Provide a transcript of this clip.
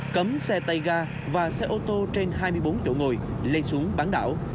cấm xe tay ga và xe ô tô trên hai mươi bốn chỗ ngồi lên xuống bán đảo